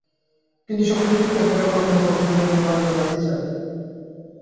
কিন্তু সবকিছু ঠিকঠাক থাকার পরও কেন কক্সবাজার ভেন্যু বাদ গেল জানতে চাই।